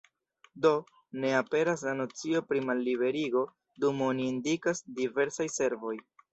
Do, ne aperas la nocio pri malliberigo, dum oni indikas "diversaj servoj".